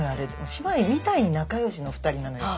姉妹みたいに仲良しの２人なのよ。